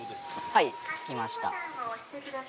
はい、着きました。